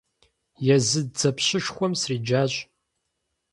Езы дзэпщышхуэм сриджащ!